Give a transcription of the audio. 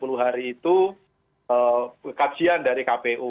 pertimbangan dari itu kekajian dari kpu